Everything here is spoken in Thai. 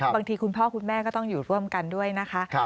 คุณพ่อคุณแม่ก็ต้องอยู่ร่วมกันด้วยนะคะ